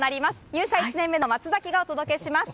入社１年目の松崎がお届けします。